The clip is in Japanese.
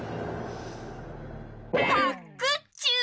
パックチュー！